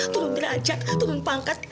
turun belajar turun pangkat